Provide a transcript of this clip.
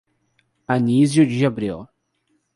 Anísio de Abreu